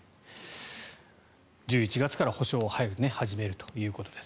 １１月から補償を始めるということです。